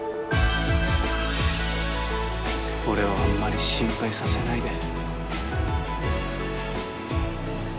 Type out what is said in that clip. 俺をあんまり心配させないで